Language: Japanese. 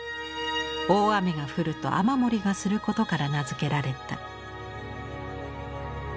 大雨が降ると雨漏りがすることから名付けられた。